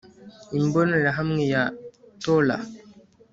Imbonerahamwe ya Torah